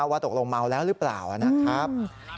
ว่าตกลงเมาแล้วหรือเปล่านะครับ